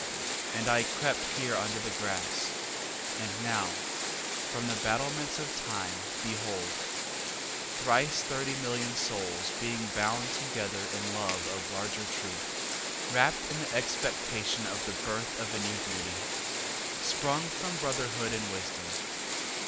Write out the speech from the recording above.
And I crept here under the grass. And now from the battlements of time, behold: Thrice thirty million souls being bound together In the love of larger truth, Rapt in the expectation of the birth Of a new Beauty, Sprung from Brotherhood and Wisdom.